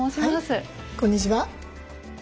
はいこんにちは。